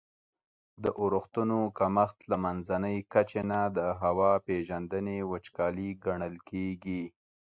د اورښتونو کمښت له منځني کچي نه د هوا پیژندني وچکالي ګڼل کیږي.